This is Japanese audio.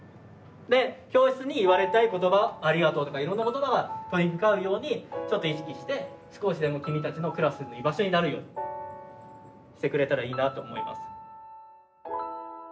で教室に言われたい言葉「ありがとう」とかいろんな言葉が飛び交うようにちょっと意識して少しでも君たちのクラスの居場所になるようにしてくれたらいいなあと思います。